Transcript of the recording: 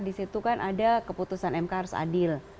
di situ kan ada keputusan mk harus adil